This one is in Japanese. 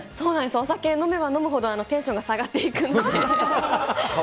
お酒、飲めば飲むほど、テンション下がっていくんで。